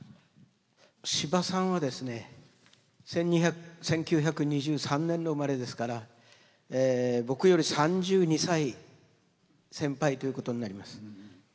司馬さんはですね１９２３年の生まれですから僕より３２歳先輩ということになります。